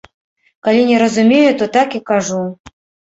Калі не разумею, то так і кажу.